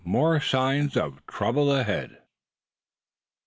MORE SIGNS OF TROUBLE AHEAD.